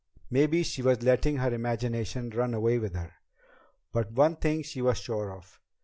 Maybe she was letting her imagination run away with her. But one thing she was sure of.